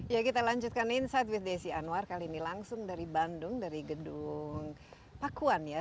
ya kita lanjutkan insight with desi anwar kali ini langsung dari bandung dari gedung pakuan ya